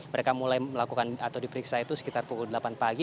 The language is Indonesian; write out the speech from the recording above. mereka mulai melakukan atau diperiksa itu sekitar pukul delapan pagi